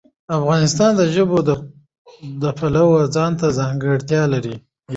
افغانستان د ژبو د پلوه ځانته ځانګړتیا لري.